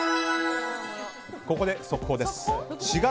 ここで速報です。